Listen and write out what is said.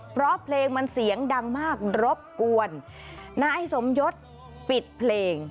เพราะเพลงมันเสียงดังมากรบกวนนายสมยศปิดเพลง